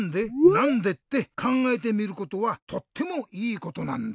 なんで？」ってかんがえてみることはとってもいいことなんだ。